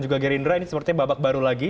juga gerindra ini sepertinya babak baru lagi